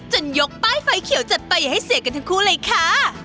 ยกป้ายไฟเขียวจัดไปให้เสียกันทั้งคู่เลยค่ะ